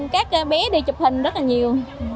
các bé đi chụp hình rất là nhiều